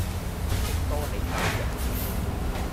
域多利監獄